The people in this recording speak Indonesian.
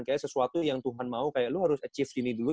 kayaknya sesuatu yang tuhan mau kayak lu harus achieve gini dulu